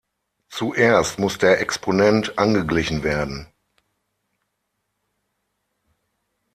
Zuerst muss der Exponent angeglichen werden.